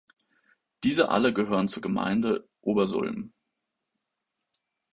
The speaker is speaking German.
Diese alle gehören zur Gemeinde Obersulm.